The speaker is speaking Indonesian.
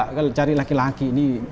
kalau cari laki laki